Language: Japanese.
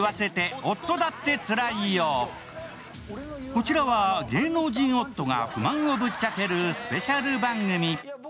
こちらは芸能人夫が不満をぶっちゃけるスペシャル番組。